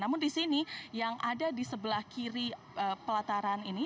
namun di sini yang ada di sebelah kiri pelataran ini